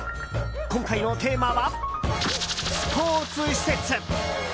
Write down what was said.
今回のテーマは、スポーツ施設。